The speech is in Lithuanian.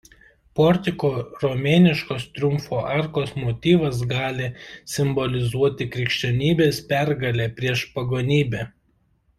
Portiko romėniškos triumfo arkos motyvas gali simbolizuoti krikščionybės pergalę prieš pagonybę.